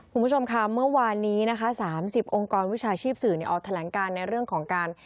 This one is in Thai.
คุณผู้ชมค่ะเมื่อวานนี้นะคะ๓๐องค์กรวิชาชีพสื่อออกแถลงการในเรื่องของการ